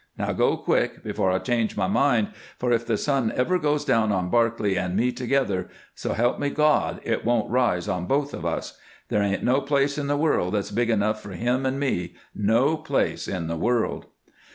Now go, quick, before I change my mind, for if the sun ever goes down on Barclay and me together, so help me God! it won't rise on both of us. There ain't no place in the world that's big enough for him and me, no place in the world."